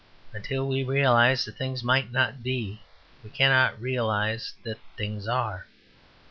Until we realize that things might not be we cannot realize that things are.